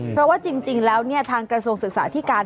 เพราะว่าจริงแล้วทางกระทรวงศึกษาที่การ